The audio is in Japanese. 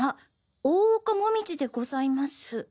大岡紅葉でございます」。